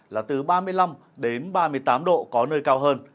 là từ ba mươi năm đến ba mươi tám độ có nơi cao hơn